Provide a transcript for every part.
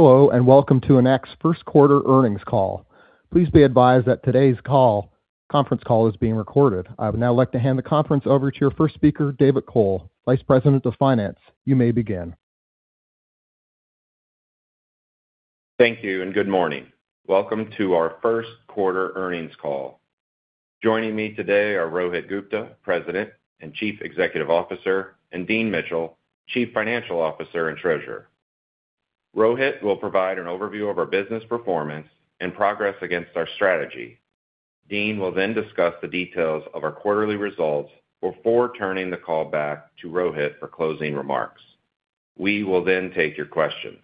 Hello, and welcome to Enact's first quarter earnings call. Please be advised that today's conference call is being recorded. I would now like to hand the conference over to your first speaker, Daniel Kohl, Vice President of Finance. You may begin. Thank you and good morning. Welcome to our first quarter earnings call. Joining me today are Rohit Gupta, President and Chief Executive Officer, and Dean Mitchell, Chief Financial Officer and Treasurer. Rohit will provide an overview of our business performance and progress against our strategy. Dean will then discuss the details of our quarterly results before turning the call back to Rohit for closing remarks. We will then take your questions.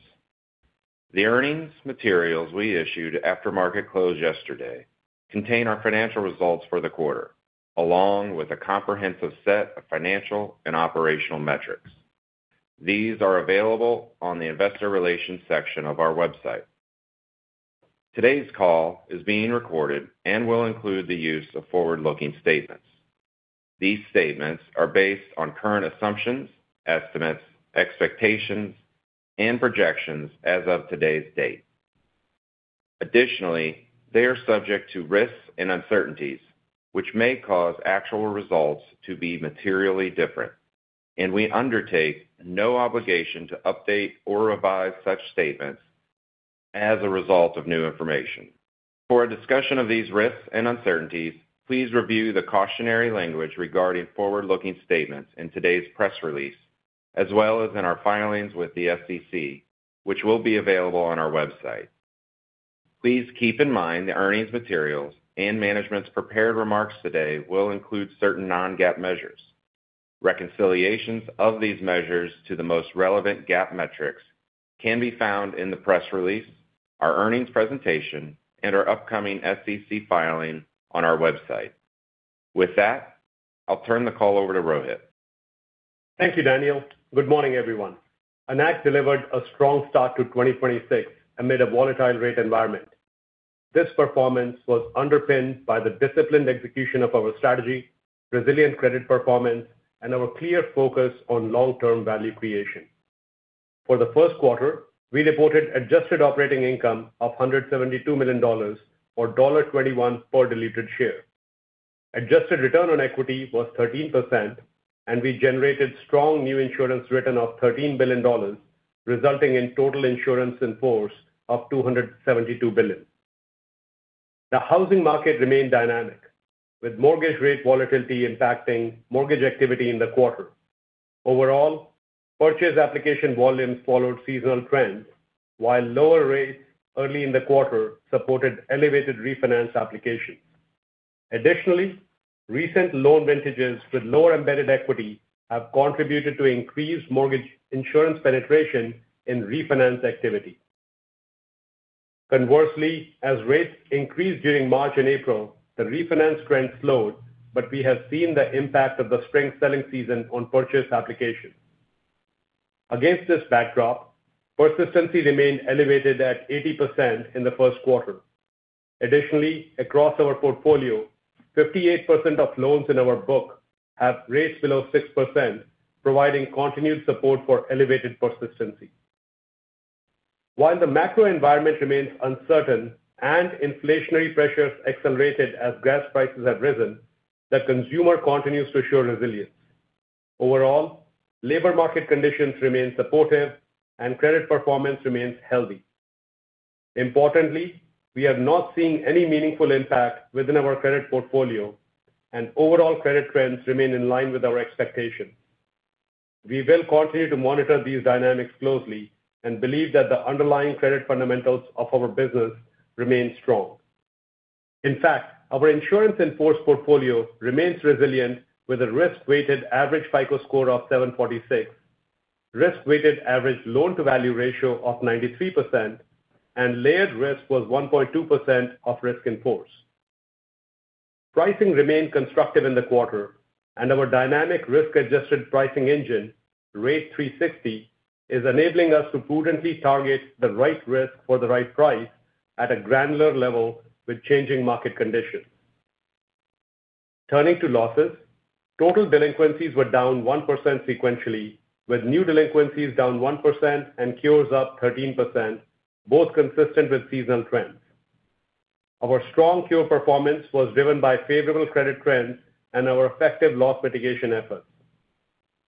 The earnings materials we issued after market close yesterday contain our financial results for the quarter, along with a comprehensive set of financial and operational metrics. These are available on the investor relations section of our website. Today's call is being recorded and will include the use of forward-looking statements. These statements are based on current assumptions, estimates, expectations and projections as of today's date. Additionally, they are subject to risks and uncertainties which may cause actual results to be materially different, and we undertake no obligation to update or revise such statements as a result of new information. For a discussion of these risks and uncertainties, please review the cautionary language regarding forward-looking statements in today's press release, as well as in our filings with the SEC, which will be available on our website. Please keep in mind the earnings materials and management's prepared remarks today will include certain non-GAAP measures. Reconciliations of these measures to the most relevant GAAP metrics can be found in the press release, our earnings presentation, and our upcoming SEC filing on our website. With that, I'll turn the call over to Rohit. Thank you, Daniel. Good morning, everyone. Enact delivered a strong start to 2026 amid a volatile rate environment. This performance was underpinned by the disciplined execution of our strategy, resilient credit performance, and our clear focus on long-term value creation. For the first quarter, we reported adjusted operating income of $172 million, or $1.21 per diluted share. Adjusted return on equity was 13%, and we generated strong new insurance written of $13 billion, resulting in total insurance in force of $272 billion. The housing market remained dynamic, with mortgage rate volatility impacting mortgage activity in the quarter. Overall, purchase application volume followed seasonal trends, while lower rates early in the quarter supported elevated refinance applications. Additionally, recent loan vintages with lower embedded equity have contributed to increased mortgage insurance penetration in refinance activity. Conversely, as rates increased during March and April, the refinance trend slowed, but we have seen the impact of the spring selling season on purchase applications. Against this backdrop, persistency remained elevated at 80% in the first quarter. Additionally, across our portfolio, 58% of loans in our book have rates below 6%, providing continued support for elevated persistency. While the macro environment remains uncertain and inflationary pressures accelerated as gas prices have risen, the consumer continues to show resilience. Overall, labor market conditions remain supportive and credit performance remains healthy. Importantly, we have not seen any meaningful impact within our credit portfolio and overall credit trends remain in line with our expectations. We will continue to monitor these dynamics closely and believe that the underlying credit fundamentals of our business remain strong. In fact, our insurance in force portfolio remains resilient with a risk-weighted average FICO score of 746, risk-weighted average loan-to-value ratio of 93% and layered risk was 1.2% of risk in force. Pricing remained constructive in the quarter and our dynamic risk-adjusted pricing engine, Rate 360, is enabling us to prudently target the right risk for the right price at a granular level with changing market conditions. Turning to losses, total delinquencies were down 1% sequentially, with new delinquencies down 1% and cures up 13%, both consistent with seasonal trends. Our strong cure performance was driven by favorable credit trends and our effective loss mitigation efforts.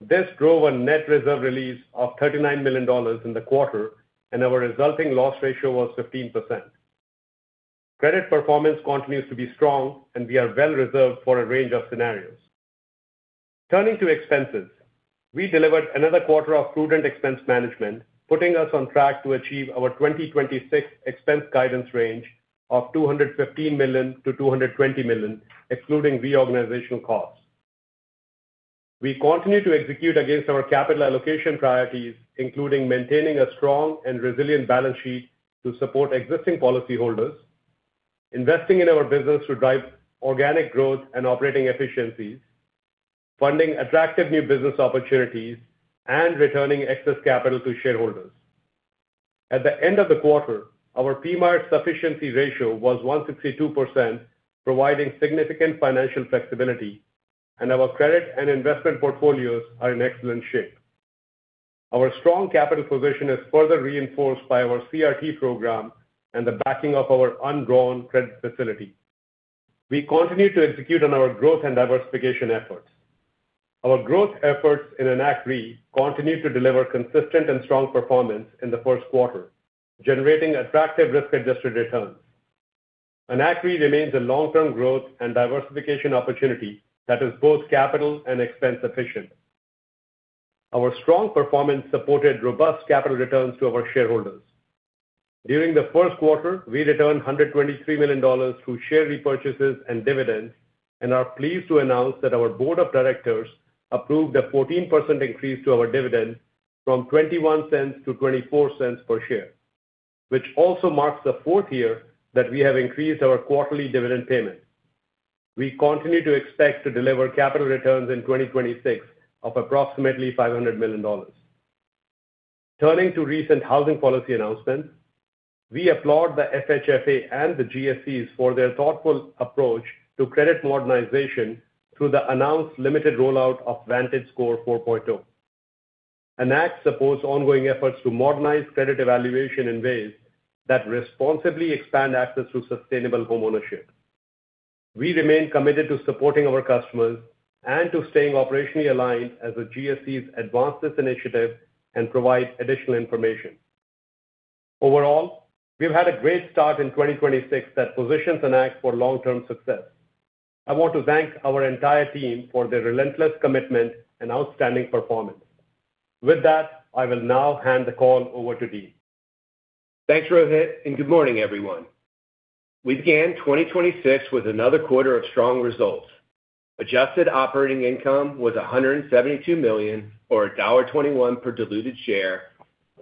This drove a net reserve release of $39 million in the quarter, and our resulting loss ratio was 15%. Credit performance continues to be strong, and we are well reserved for a range of scenarios. Turning to expenses, we delivered another quarter of prudent expense management, putting us on track to achieve our 2026 expense guidance range of $215 million-$220 million, excluding reorganizational costs. We continue to execute against our capital allocation priorities, including maintaining a strong and resilient balance sheet to support existing policyholders, investing in our business to drive organic growth and operating efficiencies, funding attractive new business opportunities, and returning excess capital to shareholders. At the end of the quarter, our PMIER sufficiency ratio was 162%, providing significant financial flexibility. Our credit and investment portfolios are in excellent shape. Our strong capital position is further reinforced by our CRT program and the backing of our undrawn credit facility. We continue to execute on our growth and diversification efforts. Our growth efforts in Enact Re continue to deliver consistent and strong performance in the first quarter, generating attractive risk-adjusted returns. Enact Re remains a long-term growth and diversification opportunity that is both capital and expense efficient. Our strong performance supported robust capital returns to our shareholders. During the first quarter, we returned $123 million through share repurchases and dividends and are pleased to announce that our board of directors approved a 14% increase to our dividend from $0.21-$0.24 per share, which also marks the fourth year that we have increased our quarterly dividend payment. We continue to expect to deliver capital returns in 2026 of approximately $500 million. Turning to recent housing policy announcements, we applaud the FHFA and the GSEs for their thoughtful approach to credit modernization through the announced limited rollout of VantageScore 4.0. Enact supports ongoing efforts to modernize credit evaluation in ways that responsibly expand access to sustainable homeownership. We remain committed to supporting our customers and to staying operationally aligned as the GSEs advance this initiative and provide additional information. Overall, we've had a great start in 2026 that positions Enact for long-term success. I want to thank our entire team for their relentless commitment and outstanding performance. With that, I will now hand the call over to Dean. Thanks, Rohit. Good morning, everyone. We began 2026 with another quarter of strong results. Adjusted operating income was $172 million or $1.21 per diluted share,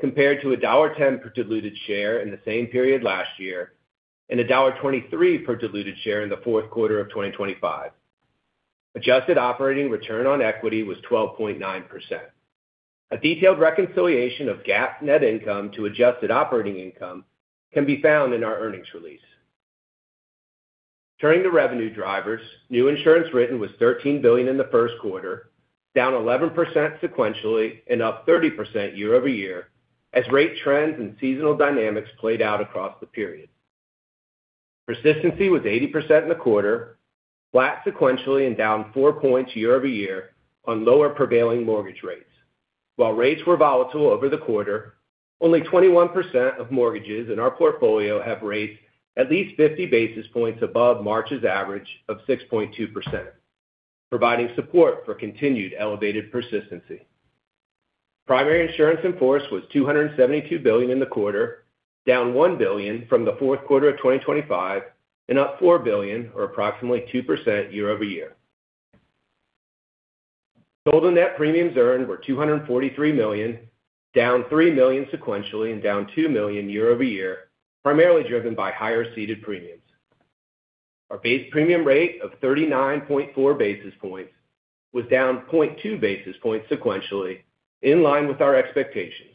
compared to $1.10 per diluted share in the same period last year and $1.23 per diluted share in the fourth quarter of 2025. Adjusted operating return on equity was 12.9%. A detailed reconciliation of GAAP net income to adjusted operating income can be found in our earnings release. Turning to revenue drivers, new insurance written was $13 billion in the first quarter, down 11% sequentially and up 30% year-over-year as rate trends and seasonal dynamics played out across the period. Persistency was 80% in the quarter, flat sequentially and down four points year-over-year on lower prevailing mortgage rates. While rates were volatile over the quarter, only 21% of mortgages in our portfolio have rates at least 50 basis points above March's average of 6.2%, providing support for continued elevated persistency. Primary insurance in force was $272 billion in the quarter, down $1 billion from the fourth quarter of 2025 and up $4 billion or approximately 2% year-over-year. Total net premiums earned were $243 million, down $3 million sequentially and down $2 million year-over-year, primarily driven by higher ceded premiums. Our base premium rate of 39.4 basis points was down 0.2 basis points sequentially in line with our expectations.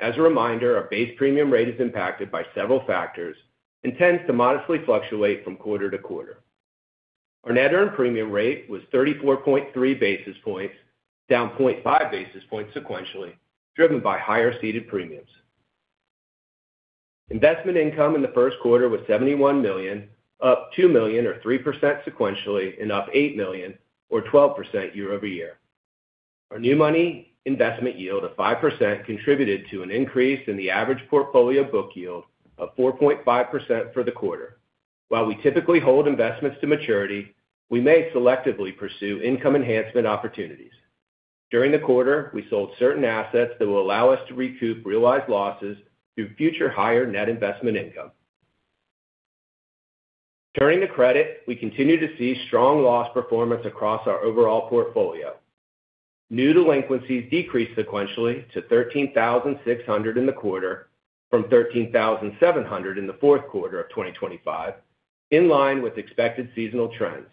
As a reminder, our base premium rate is impacted by several factors and tends to modestly fluctuate from quarter-to-quarter. Our net earned premium rate was 34.3 basis points, down 0.5 basis points sequentially, driven by higher ceded premiums. Investment income in the first quarter was $71 million, up $2 million or 3% sequentially, and up $8 million or 12% year-over-year. Our new money investment yield of 5% contributed to an increase in the average portfolio book yield of 4.5% for the quarter. While we typically hold investments to maturity, we may selectively pursue income enhancement opportunities. During the quarter, we sold certain assets that will allow us to recoup realized losses through future higher net investment income. Turning to credit, we continue to see strong loss performance across our overall portfolio. New delinquencies decreased sequentially to 13,600 in the quarter from 13,700 in the fourth quarter of 2025, in line with expected seasonal trends.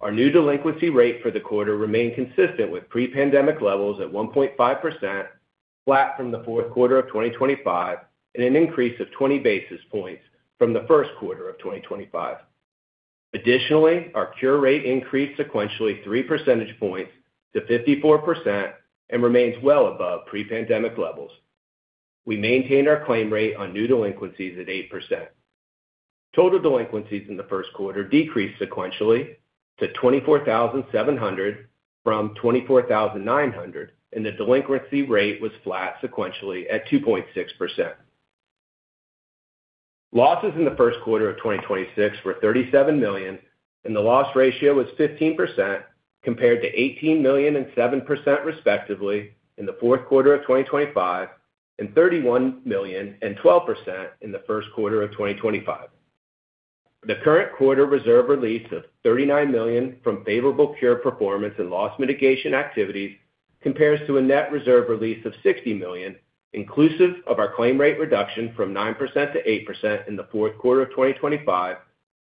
Our new delinquency rate for the quarter remained consistent with pre-pandemic levels at 1.5%, flat from the fourth quarter of 2025, and an increase of 20 basis points from the first quarter of 2025. Additionally, our cure rate increased sequentially three percentage points to 54% and remains well above pre-pandemic levels. We maintained our claim rate on new delinquencies at 8%. Total delinquencies in the first quarter decreased sequentially to 24,700 from 24,900, and the delinquency rate was flat sequentially at 2.6%. Losses in the first quarter of 2026 were $37 million, and the loss ratio was 15% compared to $18 million and 7% respectively in the fourth quarter of 2025 and $31 million and 12% in the first quarter of 2025. The current quarter reserve release of $39 million from favorable cure performance and loss mitigation activities compares to a net reserve release of $60 million, inclusive of our claim rate reduction from 9%-8% in the fourth quarter of 2025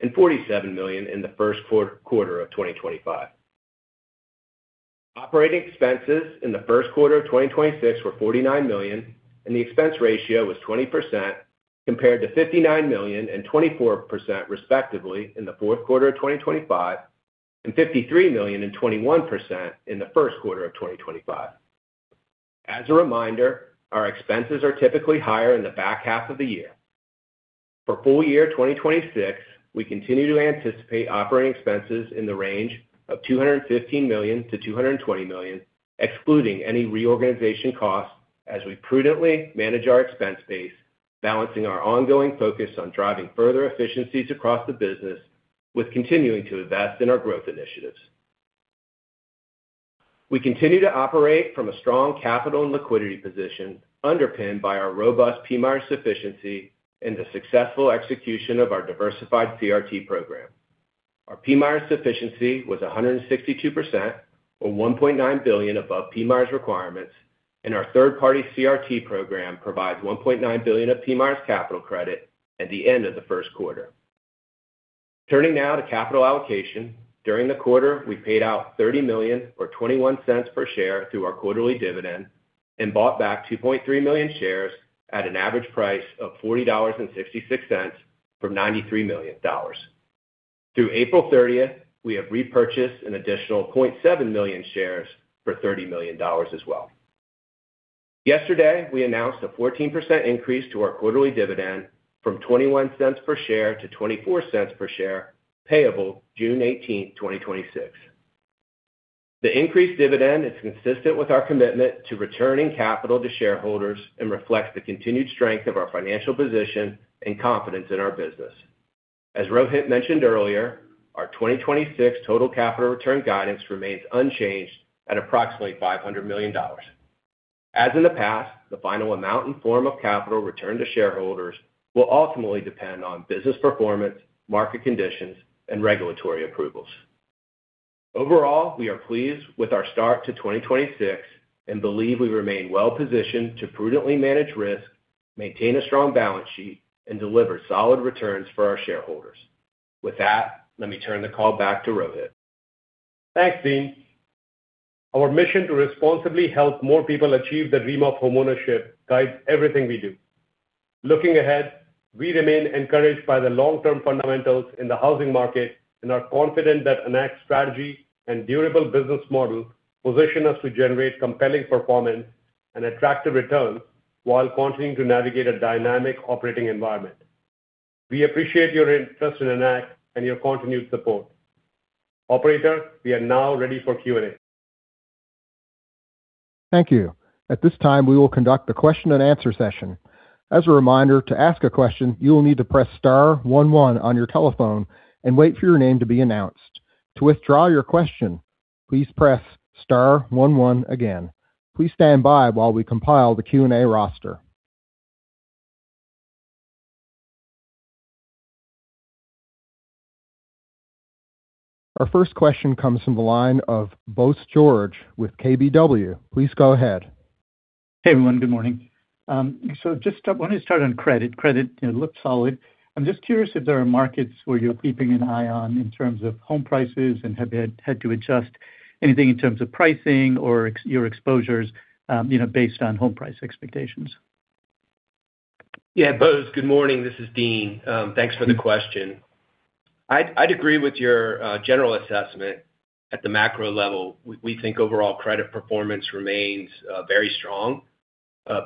and $47 million in the first quarter of 2025. Operating expenses in the first quarter of 2026 were $49 million, and the expense ratio was 20% compared to $59 million and 24% respectively in the fourth quarter of 2025, and $53 million and 21% in the first quarter of 2025. As a reminder, our expenses are typically higher in the back half of the year. For full-year 2026, we continue to anticipate operating expenses in the range of $215 million-$220 million, excluding any reorganization costs as we prudently manage our expense base, balancing our ongoing focus on driving further efficiencies across the business, with continuing to invest in our growth initiatives. We continue to operate from a strong capital and liquidity position underpinned by our robust PMIER sufficiency and the successful execution of our diversified CRT program. Our PMIER sufficiency was 162%, or $1.9 billion above PMIERs requirements, and our third-party CRT program provides $1.9 billion of PMIERs capital credit at the end of the first quarter. Turning now to capital allocation. During the quarter, we paid out $30 million or $0.21 per share through our quarterly dividend and bought back 2.3 million shares at an average price of $40.66 from $93 million. Through April 30th, we have repurchased an additional 0.7 million shares for $30 million as well. Yesterday, we announced a 14% increase to our quarterly dividend from $0.21 per share to $0.24 per share, payable June 18th, 2026. The increased dividend is consistent with our commitment to returning capital to shareholders and reflects the continued strength of our financial position and confidence in our business. As Rohit mentioned earlier, our 2026 total capital return guidance remains unchanged at approximately $500 million. As in the past, the final amount and form of capital returned to shareholders will ultimately depend on business performance, market conditions, and regulatory approvals. Overall, we are pleased with our start to 2026 and believe we remain well positioned to prudently manage risk, maintain a strong balance sheet, and deliver solid returns for our shareholders. With that, let me turn the call back to Rohit. Thanks, Dean. Our mission to responsibly help more people achieve the dream of homeownership guides everything we do. Looking ahead, we remain encouraged by the long-term fundamentals in the housing market and are confident that Enact's strategy and durable business model position us to generate compelling performance and attractive returns while continuing to navigate a dynamic operating environment. We appreciate your interest in Enact and your continued support. Operator, we are now ready for Q&A. Thank you. At this time, we will conduct a question-and-answer session. As a reminder, to ask a question, you will need to press star one one on your telephone and wait for your name to be announced. To withdraw your question, please press star one one again. Please stand by while we compile the Q&A roster. Our first question comes from the line of Bose George with KBW. Please go ahead. Hey, everyone. Good morning. Just want to start on credit. Credit, you know, looks solid. I'm just curious if there are markets where you're keeping an eye on in terms of home prices and have had to adjust anything in terms of pricing or your exposures, you know, based on home price expectations. Yeah, Bose, good morning. This is Dean. Thanks for the question. I'd agree with your general assessment at the macro level. We think overall credit performance remains very strong,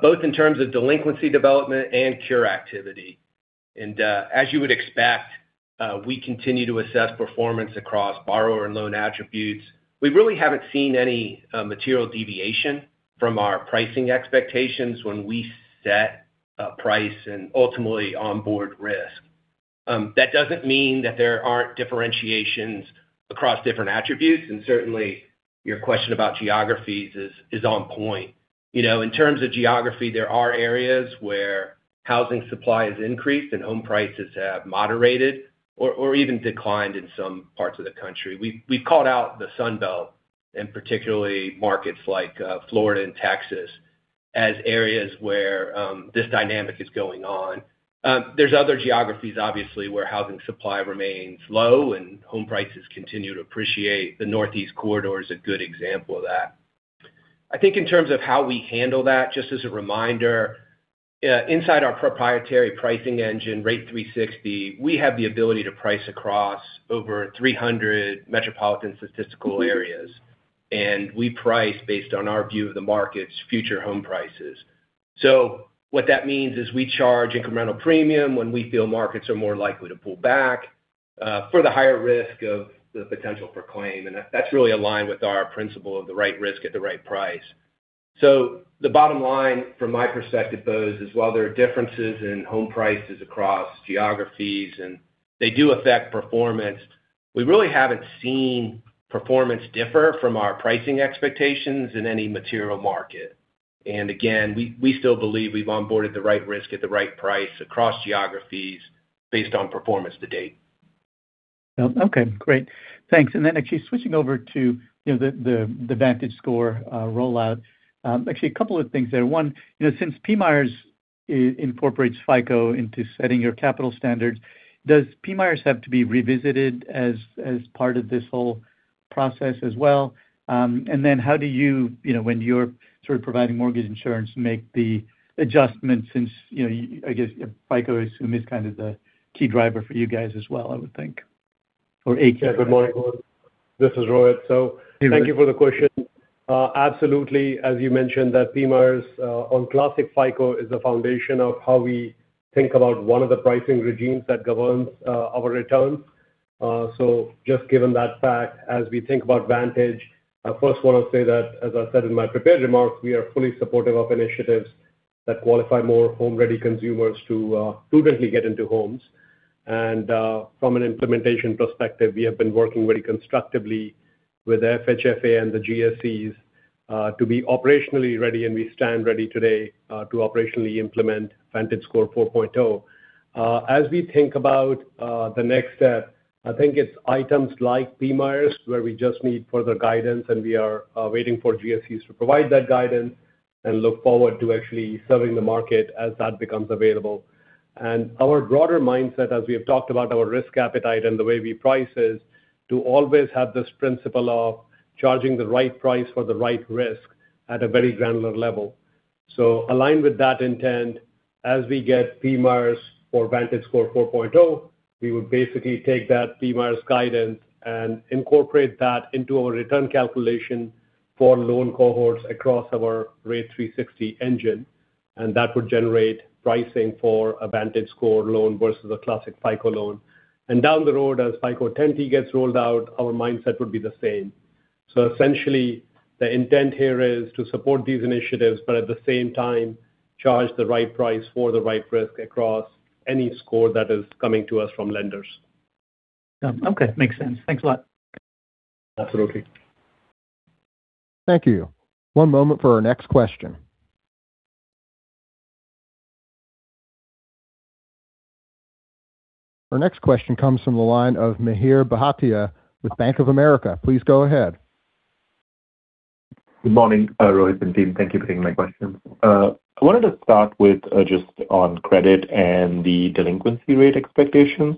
both in terms of delinquency development and cure activity. As you would expect, we continue to assess performance across borrower and loan attributes. We really haven't seen any material deviation from our pricing expectations when we set a price and ultimately onboard risk. That doesn't mean that there aren't differentiations across different attributes, and certainly your question about geographies is on point. You know, in terms of geography, there are areas where housing supply has increased and home prices have moderated or even declined in some parts of the country. We've called out the Sun Belt, and particularly markets like Florida and Texas, as areas where this dynamic is going on. There's other geographies, obviously, where housing supply remains low and home prices continue to appreciate. The Northeast Corridor is a good example of that. I think in terms of how we handle that, just as a reminder, inside our proprietary pricing engine, Rate360, we have the ability to price across over 300 metropolitan statistical areas, and we price based on our view of the market's future home prices. What that means is we charge incremental premium when we feel markets are more likely to pull back for the higher risk of the potential for claim. That's really aligned with our principle of the right risk at the right price. The bottom line from my perspective, Bose, is while there are differences in home prices across geographies, and they do affect performance, we really haven't seen performance differ from our pricing expectations in any material market. Again, we still believe we've onboarded the right risk at the right price across geographies based on performance to date. Okay, great. Thanks. Actually switching over to the VantageScore rollout. Actually a couple of things there. One, since PMIERs incorporates FICO into setting your capital standards. Does PMIERs have to be revisited as part of this whole process as well? How do you, when you're sort of providing mortgage insurance, make the adjustments since I guess FICO is whom we started the key driver for you guys as well, I would think. Or GSE. Yeah. Good morning. This is Rohit. Thank you for the question. Absolutely. As you mentioned that PMIERs on classic FICO is the foundation of how we think about one of the pricing regimes that governs our returns. Just given that fact, as we think about Vantage, I first wanna say that, as I said in my prepared remarks, we are fully supportive of initiatives that qualify more home-ready consumers to prudently get into homes. From an implementation perspective, we have been working very constructively with FHFA and the GSEs to be operationally ready, and we stand ready today to operationally implement VantageScore 4.0. As we think about the next step, I think it's items like PMIERs where we just need further guidance. We are waiting for GSEs to provide that guidance and look forward to actually serving the market as that becomes available. Our broader mindset as we have talked about our risk appetite and the way we price is to always have this principle of charging the right price for the right risk at a very granular level. Aligned with that intent, as we get PMIERs for VantageScore 4.0, we would basically take that PMIERs guidance and incorporate that into our return calculation for loan cohorts across our Rate360 engine. That would generate pricing for a VantageScore loan versus a classic FICO loan. Down the road, as FICO 10T gets rolled out, our mindset would be the same. Essentially, the intent here is to support these initiatives, but at the same time, charge the right price for the right risk across any score that is coming to us from lenders. Yeah. Okay. Makes sense. Thanks a lot. Absolutely. Thank you. One moment for our next question. Our next question comes from the line of Mihir Bhatia with Bank of America. Please go ahead. Good morning, Rohit and team. Thank you for taking my question. I wanted to start with just on credit and the delinquency rate expectations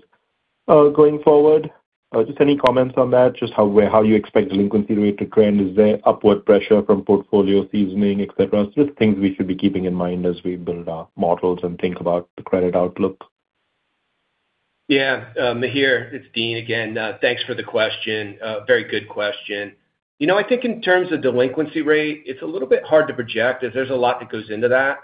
going forward. Just any comments on that, just how you expect delinquency rate to trend? Is there upward pressure from portfolio seasoning, et cetera? Just things we should be keeping in mind as we build our models and think about the credit outlook. Mihir, it's Dean again. Thanks for the question. A very good question. You know, I think in terms of delinquency rate, it's a little bit hard to project as there's a lot that goes into that.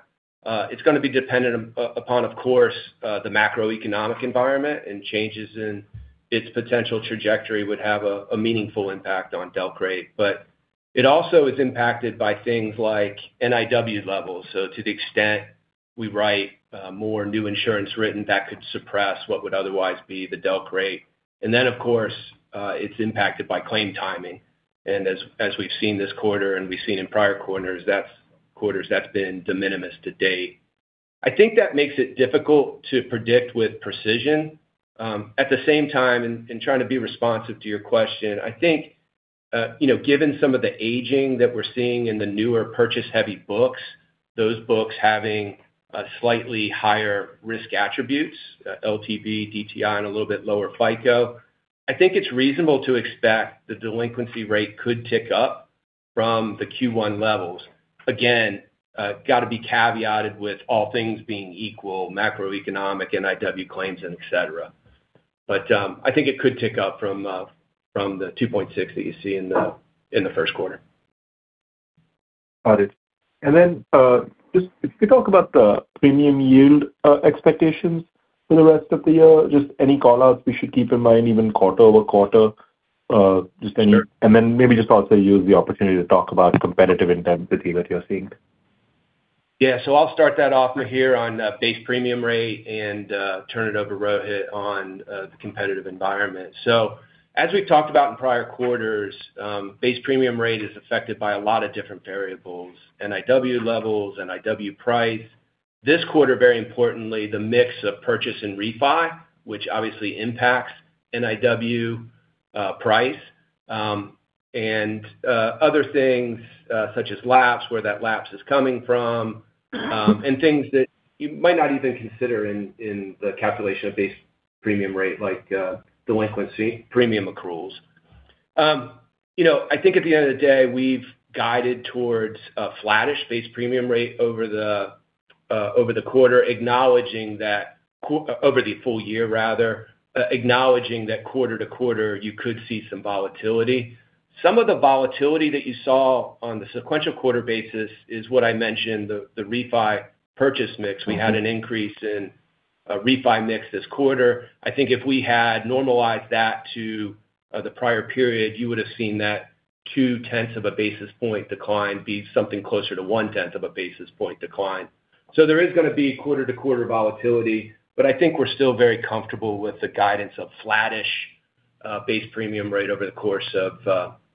It's gonna be dependent upon, of course, the macroeconomic environment and changes in its potential trajectory would have a meaningful impact on delq rate. It also is impacted by things like NIW levels. To the extent we write, more new insurance written, that could suppress what would otherwise be the delq rate. Of course, it's impacted by claim timing. As we've seen this quarter and we've seen in prior quarters, that's been de minimis to date. I think that makes it difficult to predict with precision. At the same time, in trying to be responsive to your question, I think, you know, given some of the aging that we're seeing in the newer purchase-heavy books, those books having slightly higher risk attributes, LTV, DTI, and a little bit lower FICO, I think it's reasonable to expect the delinquency rate could tick up from the Q1 levels. Again, gotta be caveated with all things being equal, macroeconomic NIW claims and et cetera. I think it could tick up from the 2.6 that you see in the first quarter. Got it. Just if we talk about the premium yield, expectations for the rest of the year, just any call-outs we should keep in mind even quarter-over-quarter. Maybe just also use the opportunity to talk about competitive intensity that you're seeing. Yeah. I'll start that off, Mihir, on base premium rate and turn it over to Rohit on the competitive environment. As we've talked about in prior quarters, base premium rate is affected by a lot of different variables, NIW levels, NIW price. This quarter, very importantly, the mix of purchase and refi, which obviously impacts NIW price, and other things such as lapse, where that lapse is coming from, and things that you might not even consider in the calculation of base premium rate like delinquency premium accruals. You know, I think at the end of the day, we've guided towards a flattish base premium rate over the over the quarter, acknowledging that over the full-year rather, acknowledging that quarter to quarter you could see some volatility. Some of the volatility that you saw on the sequential quarter basis is what I mentioned, the refi purchase mix. We had an increase in a refi mix this quarter. I think if we had normalized that to the prior period, you would have seen that 0.2 basis points decline be something closer to 0.1 basis point decline. There is gonna be quarter-to-quarter volatility, but I think we're still very comfortable with the guidance of flattish, base premium rate over the course of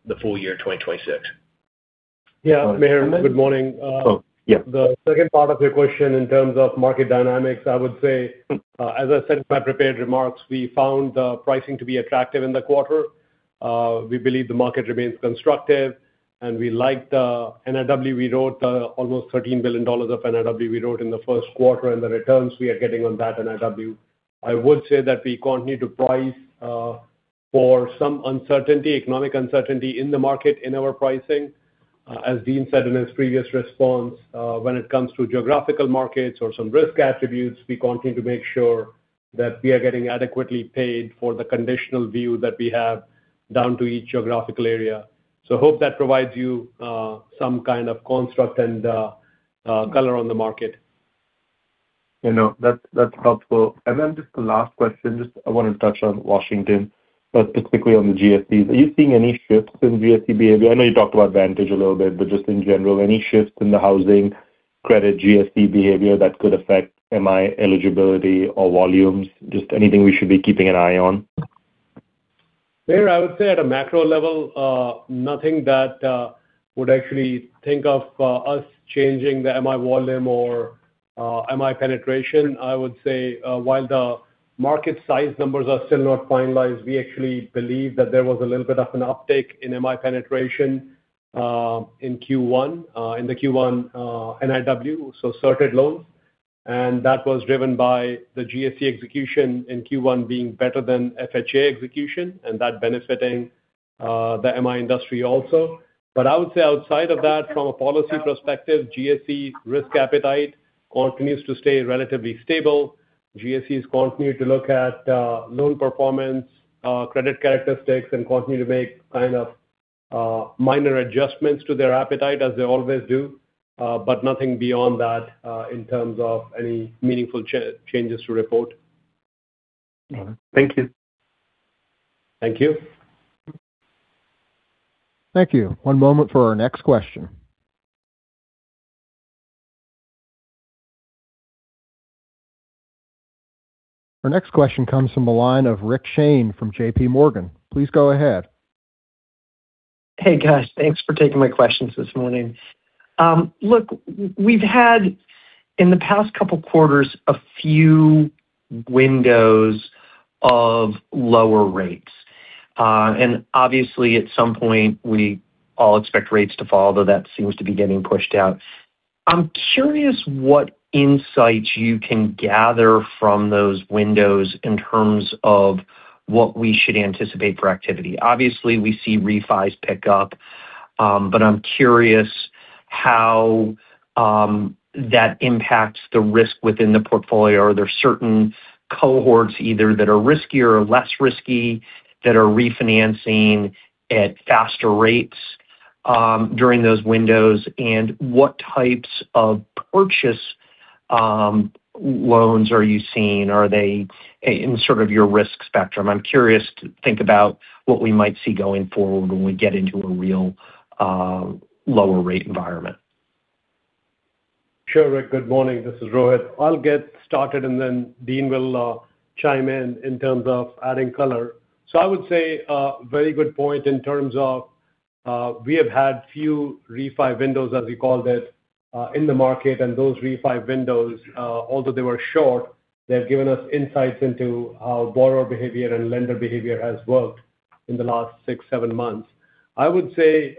the full-year 2026. Yeah. Mihir, good morning. Oh, yeah. The second part of your question in terms of market dynamics, I would say, as I said in my prepared remarks, we found the pricing to be attractive in the quarter. We believe the market remains constructive, and we like the NIW. We wrote, almost $13 billion of NIW we wrote in the first quarter, and the returns we are getting on that NIW. I would say that we continue to price, for some uncertainty, economic uncertainty in the market in our pricing. As Dean said in his previous response, when it comes to geographical markets or some risk attributes, we continue to make sure that we are getting adequately paid for the conditional view that we have down to each geographical area. Hope that provides you, some kind of construct and color on the market. You know, that's helpful. Just the last question, just I want to touch on Washington, but specifically on the GSEs. Are you seeing any shifts in GSE behavior? I know you talked about Vantage a little bit, but just in general, any shifts in the housing credit GSE behavior that could affect MI eligibility or volumes? Just anything we should be keeping an eye on? Sure. I would say at a macro level, nothing that would actually think of us changing the MI volume or MI penetration. I would say, while the market size numbers are still not finalized, we actually believe that there was a little bit of an uptick in MI penetration in Q1, in the Q1 NIW, so certain loans. That was driven by the GSE execution in Q1 being better than FHA execution and that benefiting the MI industry also. I would say outside of that, from a policy perspective, GSE risk appetite continues to stay relatively stable. GSEs continue to look at loan performance, credit characteristics, and continue to make kind of minor adjustments to their appetite as they always do, but nothing beyond that, in terms of any meaningful changes to report. All right. Thank you. Thank you. Thank you. One moment for our next question. Our next question comes from the line of Rick Shane from JPMorgan. Please go ahead. Hey, guys. Thanks for taking my questions this morning. Look, we've had in the past couple quarters, a few windows of lower rates. And obviously at some point we all expect rates to fall, though that seems to be getting pushed out. I'm curious what insights you can gather from those windows in terms of what we should anticipate for activity. Obviously, we see refis pick up, but I'm curious how that impacts the risk within the portfolio. Are there certain cohorts either that are riskier or less risky that are refinancing at faster rates during those windows? And what types of purchase loans are you seeing? Are they in sort of your risk spectrum? I'm curious to think about what we might see going forward when we get into a real lower rate environment. Sure, Rick. Good morning. This is Rohit. I'll get started and then Dean will chime in in terms of adding color. I would say a very good point in terms of, we have had few refi windows, as we called it, in the market, and those refi windows, although they were short, they've given us insights into, borrower behavior and lender behavior as well in the last six, seven months. I would say,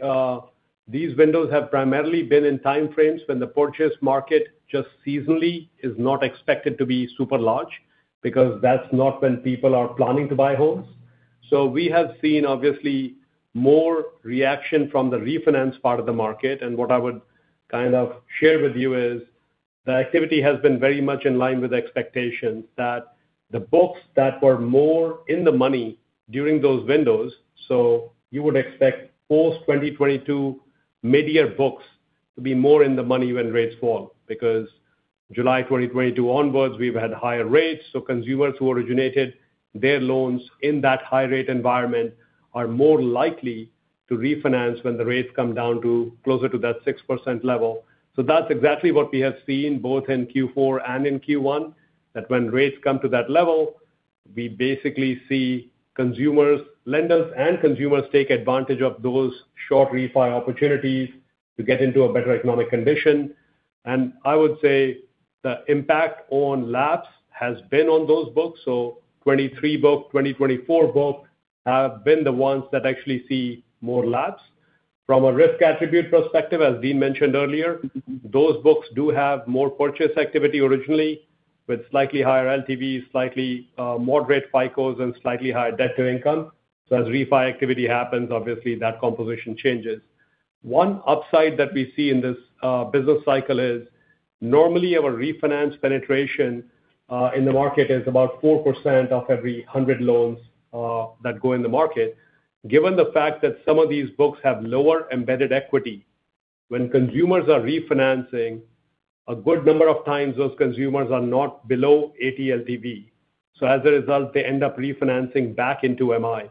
these windows have primarily been in time frames when the purchase market just seasonally is not expected to be super large because that's not when people are planning to buy homes. We have seen obviously more reaction from the refinance part of the market. What I would kind of share with you is the activity has been very much in line with expectations that the books that were more in the money during those windows. July 2022 onwards, we've had higher rates, so consumers who originated their loans in that high rate environment are more likely to refinance when the rates come down to closer to that 6% level. That's exactly what we have seen both in Q4 and in Q1, that when rates come to that level, we basically see consumers-- lenders and consumers take advantage of those short refi opportunities to get into a better economic condition. I would say the impact on lapse has been on those books. 2023 book, 2024 book have been the ones that actually see more lapse. From a risk attribute perspective, as Dean mentioned earlier, those books do have more purchase activity originally with slightly higher LTVs, slightly more red FICO and slightly higher debt to income. As refi activity happens, obviously that composition changes. One upside that we see in this business cycle is normally our refinance penetration in the market is about 4% of every 100 loans that go in the market. Given the fact that some of these books have lower embedded equity, when consumers are refinancing, a good number of times those consumers are not below 80 LTV. As a result, they end up refinancing back into MI.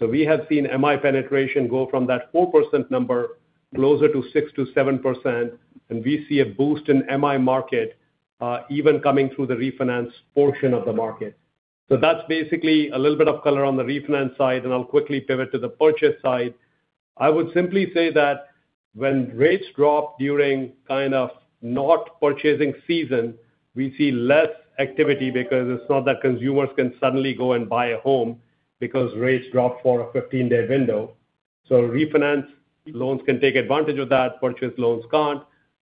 We have seen MI penetration go from that 4% number closer to 6%-7%, and we see a boost in MI market, even coming through the refinance portion of the market. That's basically a little bit of color on the refinance side, and I'll quickly pivot to the purchase side. I would simply say that. When rates drop during kind of not purchasing season, we see less activity because it's not that consumers can suddenly go and buy a home because rates dropped for a 15-day window. Refinance loans can take advantage of that, purchase loans can't.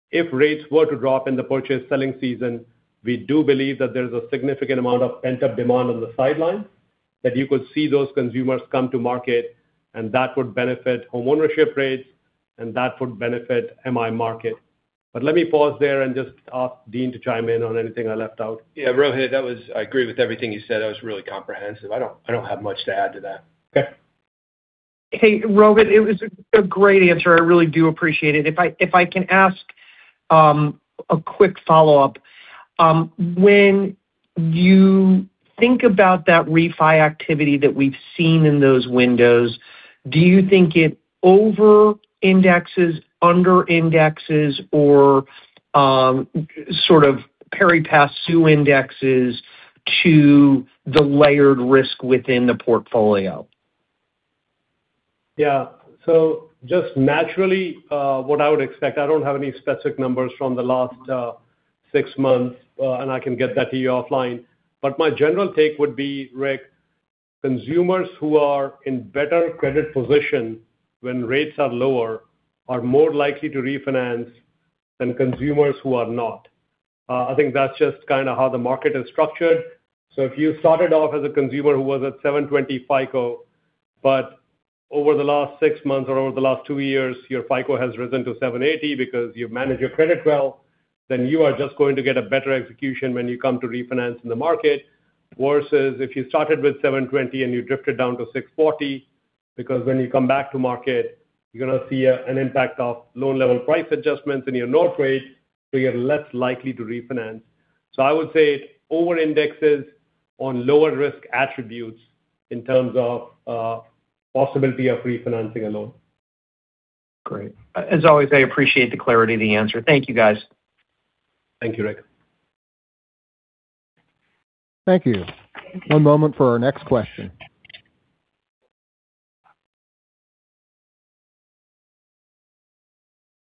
If rates were to drop in the purchase selling season, we do believe that there's a significant amount of pent-up demand on the sideline, that you could see those consumers come to market, and that would benefit homeownership rates, and that would benefit MI market. Let me pause there and just ask Dean to chime in on anything I left out. Yeah, Rohit, I agree with everything you said. That was really comprehensive. I don't have much to add to that. Okay. Hey, Rohit. It was a great answer. I really do appreciate it. If I can ask a quick follow-up. When you think about that refi activity that we've seen in those windows, do you think it over-indexes, under-indexes or sort of pari passu indexes to the layered risk within the portfolio? Just naturally, what I would expect, I don't have any specific numbers from the last six months, and I can get that to you offline. My general take would be, Rick, consumers who are in better credit position when rates are lower are more likely to refinance than consumers who are not. I think that's just kind of how the market is structured. If you started off as a consumer who was at 720 FICO, but over the last six months or over the last two years, your FICO has risen to 780 because you've managed your credit well, then you are just going to get a better execution when you come to refinance in the market. Versus if you started with 720 and you drifted down to 640, when you come back to market, you're gonna see an impact of loan-level price adjustments in your note rate, you're less likely to refinance. I would say it over-indexes on lower risk attributes in terms of possibility of refinancing a loan. Great. As always, I appreciate the clarity of the answer. Thank you, guys. Thank you, Rick. Thank you. One moment for our next question.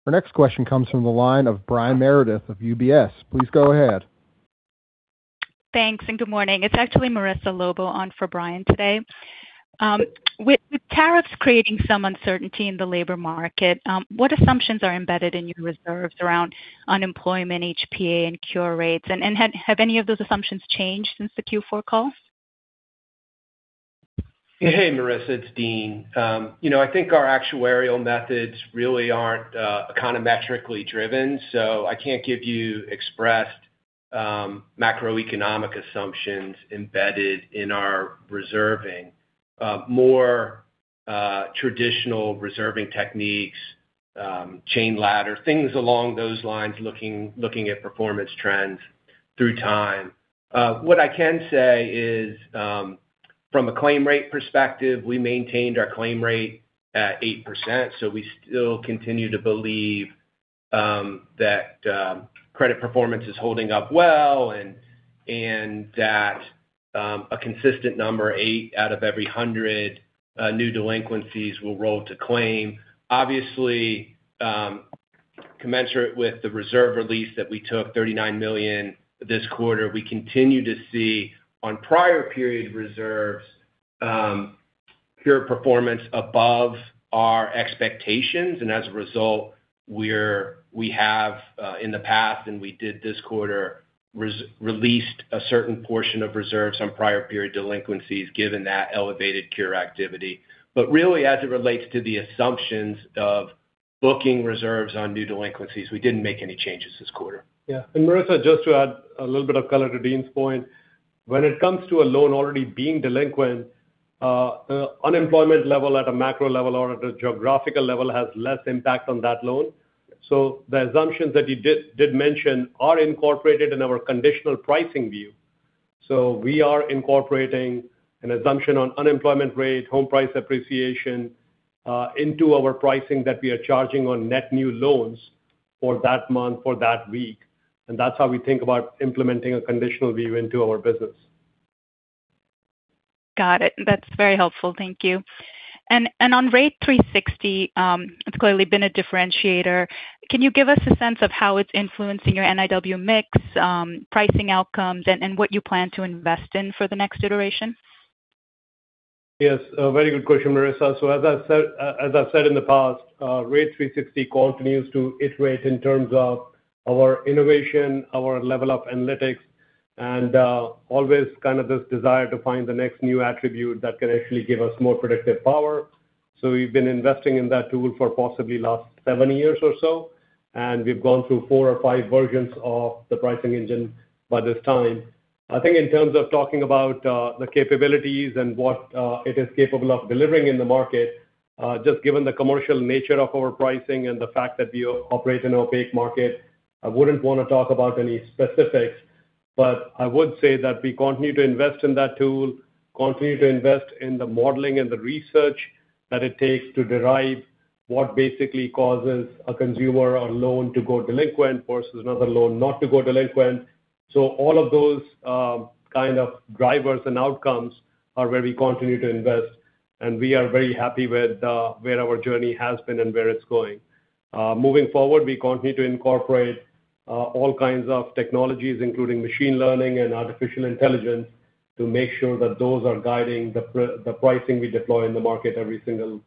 Our next question comes from the line of Brian Meredith of UBS. Please go ahead. Thanks, and good morning. It's actually Marissa Lobo on for Brian today. With tariffs creating some uncertainty in the labor market, what assumptions are embedded in your reserves around unemployment, HPA and cure rates? Have any of those assumptions changed since the Q4 call? Hey, Marissa, it's Dean. You know, I think our actuarial methods really aren't econometrically driven, so I can't give you expressed macroeconomic assumptions embedded in our reserving. More traditional reserving techniques, chain ladder, things along those lines, looking at performance trends through time. What I can say is, from a claim rate perspective, we maintained our claim rate at 8%. We still continue to believe that credit performance is holding up well and that a consistent number, eight out of every 100 new delinquencies, will roll to claim. Obviously, commensurate with the reserve release that we took, $39 million this quarter, we continue to see on prior period reserves cure performance above our expectations. As a result, we have, in the past, and we did this quarter, released a certain portion of reserves on prior period delinquencies given that elevated cure activity. Really, as it relates to the assumptions of booking reserves on new delinquencies, we didn't make any changes this quarter. Marissa, just to add a little bit of color to Dean's point. When it comes to a loan already being delinquent, unemployment level at a macro level or at a geographical level has less impact on that loan. The assumptions that you did mention are incorporated in our conditional pricing view. We are incorporating an assumption on unemployment rate, home price appreciation, into our pricing that we are charging on net new loans for that month or that week. That's how we think about implementing a conditional view into our business. Got it. That's very helpful. Thank you. On Rate360, it's clearly been a differentiator. Can you give us a sense of how it's influencing your NIW mix, pricing outcomes and what you plan to invest in for the next iteration? Yes. A very good question, Marissa. As I said, as I've said in the past, Rate360 continues to iterate in terms of our innovation, our level of analytics, and always kind of this desire to find the next new attribute that can actually give us more predictive power. We've been investing in that tool for possibly last seven years or so, and we've gone through four or five versions of the pricing engine by this time. I think in terms of talking about the capabilities and what it is capable of delivering in the market, just given the commercial nature of our pricing and the fact that we operate in an opaque market, I wouldn't wanna talk about any specifics. I would say that we continue to invest in that tool, continue to invest in the modeling and the research that it takes to derive what basically causes a consumer or loan to go delinquent versus another loan not to go delinquent. All of those kind of drivers and outcomes are where we continue to invest, and we are very happy with where our journey has been and where it's going. Moving forward, we continue to incorporate all kinds of technologies, including machine learning and artificial intelligence, to make sure that those are guiding the pricing we deploy in the market every single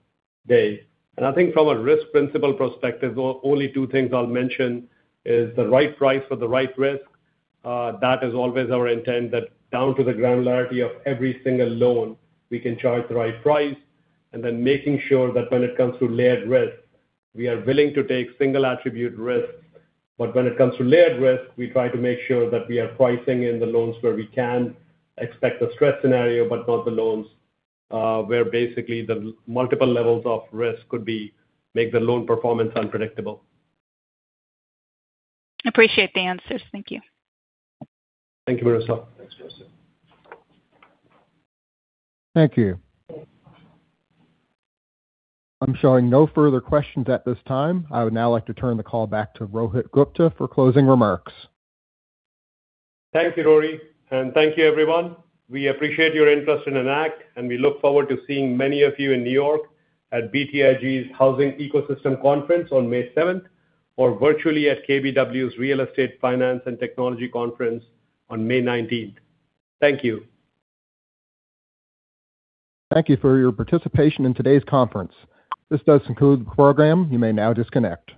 day. I think from a risk principle perspective, only two things I'll mention is the right price for the right risk. That is always our intent, that down to the granularity of every single loan, we can charge the right price. Then making sure that when it comes to layered risk, we are willing to take single attribute risk. When it comes to layered risk, we try to make sure that we are pricing in the loans where we can expect a stress scenario, but not the loans where basically the multiple levels of risk could make the loan performance unpredictable. Appreciate the answers. Thank you. Thank you, Marissa. Thanks, Marissa. Thank you. I am showing no further questions at this time. I would now like to turn the call back to Rohit Gupta for closing remarks. Thank you, Rory, and thank you, everyone. We appreciate your interest in Enact, and we look forward to seeing many of you in New York at BTIG's Housing Ecosystem Conference on May 7th, or virtually at KBW's Real Estate Finance and Technology Conference on May 19th. Thank you. Thank you for your participation in today's conference. This does conclude the program. You may now disconnect.